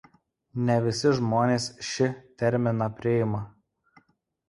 Ne visi žmonės ši terminą priima.